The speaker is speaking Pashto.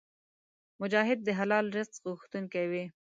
مجاهد د حلال رزق غوښتونکی وي.